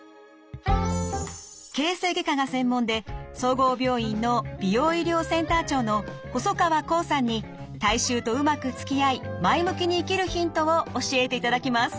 形成外科が専門で総合病院の美容医療センター長の細川亙さんに体臭とうまくつきあい前向きに生きるヒントを教えていただきます。